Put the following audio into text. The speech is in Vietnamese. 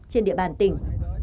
trên địa bàn tỉnh